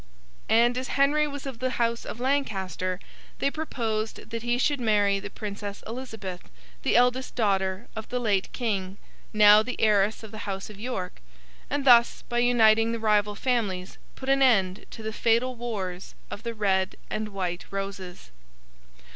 And as Henry was of the house of Lancaster, they proposed that he should marry the Princess Elizabeth, the eldest daughter of the late King, now the heiress of the house of York, and thus by uniting the rival families put an end to the fatal wars of the Red and White Roses.